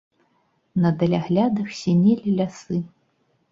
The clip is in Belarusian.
На даляглядах сінелі лясы.